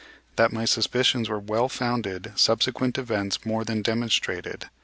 That my suspicions were well founded subsequents events more than demonstrated.